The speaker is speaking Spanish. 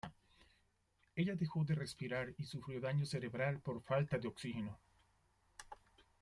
Ella dejó de respirar y sufrió daño cerebral por falta de oxígeno.